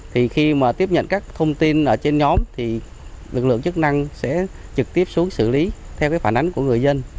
thì khi mà tiếp nhận các thông tin ở trên nhóm thì lực lượng chức năng sẽ trực tiếp xuống xử lý theo cái phản ánh của người dân